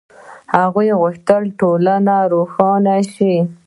هغه غوښتل چې ټولنه روښانه شي.